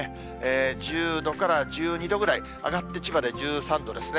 １０度から１２度くらい、上がって千葉で１３度ですね。